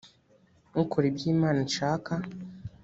ukora ibyo imana ishaka